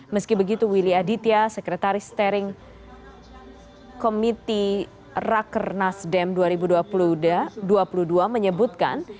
meski begitu willy aditya sekretaris steering komiti raker nasdem dua ribu dua puluh dua menyebutkan